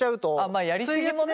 まあやり過ぎもね。